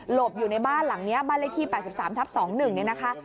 บอยู่ในบ้านหลังนี้บ้านเลขที่๘๓ทับ๒๑เนี่ยนะคะ